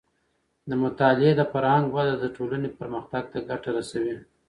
د مطالعې د فرهنګ وده د ټولنې پرمختګ ته ګټه رسوي.